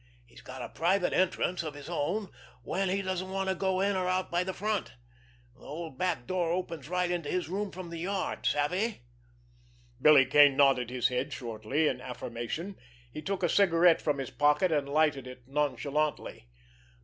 He's got a private entrance of his own when he doesn't want to go in or out by the front; the old back door opens right into his room from the yard. Savvy?" Billy Kane nodded his head shortly in affirmation. He took a cigarette from his pocket, and lighted it nonchalantly.